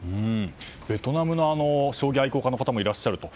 ベトナムの将棋愛好家の方もいらっしゃると。